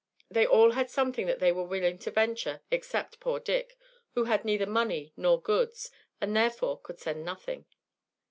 They all had something that they were willing to venture except poor Dick, who had neither money nor goods, and therefore could send nothing.